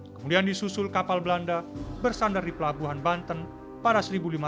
kemudian disusul kapal belanda bersandar di pelabuhan banten pada seribu lima ratus enam puluh